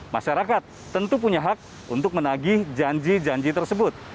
masyarakat tentu punya hak untuk menagih janji janji tersebut